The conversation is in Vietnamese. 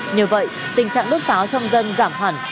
nhờ vậy tình trạng đốt pháo trong dân giảm hẳn